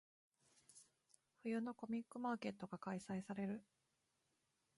冬のコミックマーケットが開催される。